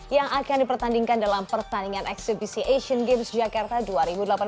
yang akan dipertandingkan dalam pertandingan eksibisi asian games jakarta dua ribu delapan belas